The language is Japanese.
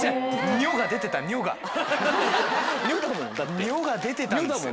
女が出てたんですよ。